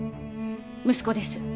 息子です。